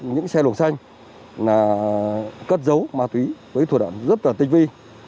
những xe luồng xanh là cất dấu ma túy với thủ đoạn rất tình vi